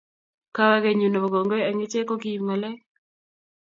Kawekenyu nebo kongoi eng iche ko kiib ngalek